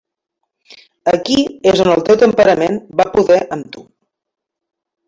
Aquí és on el teu temperament va poder amb tu.